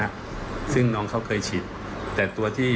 แม่จะมาเรียกร้องอะไร